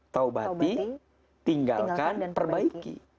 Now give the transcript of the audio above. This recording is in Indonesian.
taubati tinggalkan perbaiki